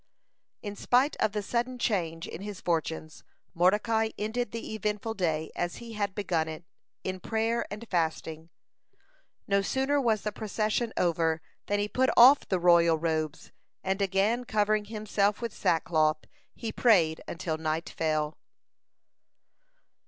(173) In spite of the sudden change in his fortunes, Mordecai ended the eventful day as he had begun it, in prayer and fasting. No sooner was the procession over than he put off the royal robes, and, again covering himself with sackcloth, he prayed until night fell.